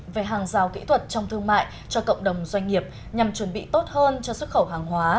về hàng rào kỹ thuật trong thương mại cho cộng đồng doanh nghiệp nhằm chuẩn bị tốt hơn cho xuất khẩu hàng hóa